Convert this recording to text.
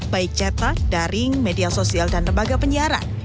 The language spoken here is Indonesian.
baik cetak daring media sosial dan lembaga penyiaran